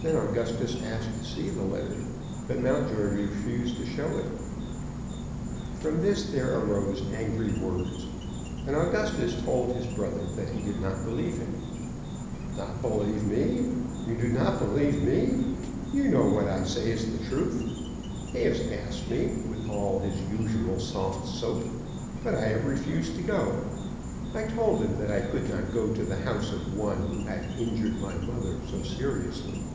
Then Augustus asked to see the letter, but Mountjoy refused to show it. From this there arose angry words, and Augustus told his brother that he did not believe him. "Not believe me? You do believe me! You know that what I say is the truth, He has asked me with all his usual soft soap. But I have refused to go. I told him that I could not go to the house of one who had injured my mother so seriously."